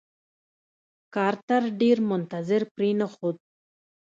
کارتر ډېر منتظر پرې نښود.